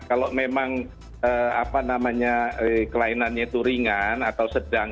kalau memang kelainannya itu ringan atau sedang